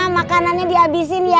makanannya dihabisin ya